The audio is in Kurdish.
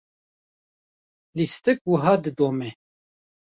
lîstik wiha didome.